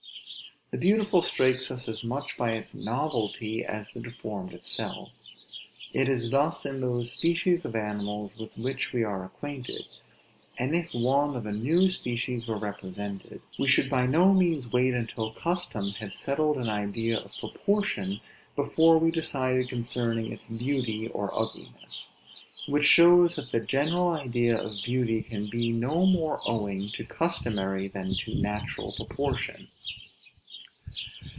The beautiful strikes us as much by its novelty as the deformed itself. It is thus in those species of animals with which we are acquainted; and if one of a new species were represented, we should by no means wait until custom had settled an idea of proportion, before we decided concerning its beauty or ugliness: which shows that the general idea of beauty can be no more owing to customary than to natural proportion.